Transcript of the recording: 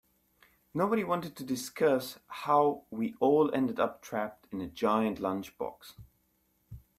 Nobody wanted to discuss how we all ended up trapped in a giant lunchbox.